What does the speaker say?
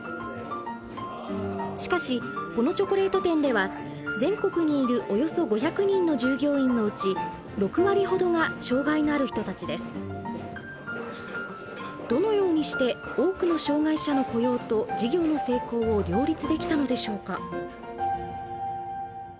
しかしこのチョコレート店では全国にいるおよそ５００人の従業員のうちどのようにして多くの障害者の雇用と事業の成功を両立できたのでしょうか。